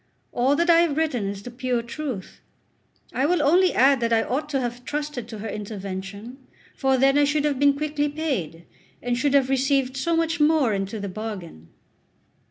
All that I have written is the pure truth. I will only add that I ought to have trusted to her intervention, for then I should have been quickly paid, and should have received so much more into the bargain.